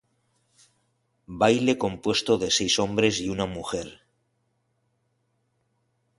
Baile compuesto de seis hombres y una mujer.